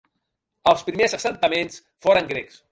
Els primers assentaments foren grecs.